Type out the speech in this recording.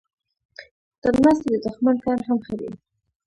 تر ناستي د دښمن کار هم ښه دی.